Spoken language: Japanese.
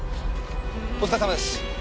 お疲れさまです。